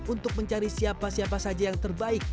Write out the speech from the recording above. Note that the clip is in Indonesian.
untuk mencari siapa siapa saja yang terbaik